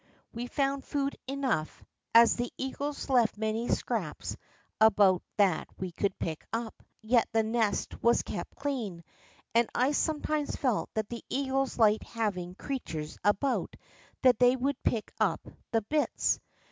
We found food enough, as the eagles left many scraps about that we could pick up. Yet the nest was kept clean, and I sometimes felt that the eagles liked having creatures about that would pick up the bits.